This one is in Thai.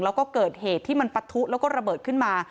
แล้วก็เกิดเหตุที่มันปะทุแล้วก็ระเบิดขึ้นมา